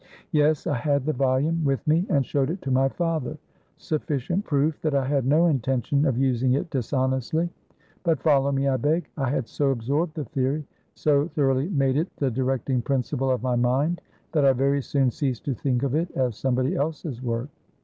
Yes, I had the volume with me, and showed it to my father; sufficient proof that I had no intention of using it dishonestly. Butfollow me, I begI had so absorbed the theory, so thoroughly made it the directing principle of my mind, that I very soon ceased to think of it as somebody else's work.